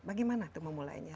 bagaimana tuh memulainya